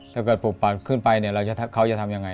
ถ้าเกิดบุปรับขึ้นไปเขาจะทำยังไง